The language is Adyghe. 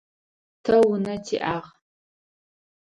Тэ унэ тиӏагъ.